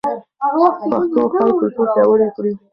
پښتو ښايي کلتور پیاوړی کړي.